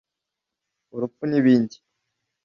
urupfu n’ibindi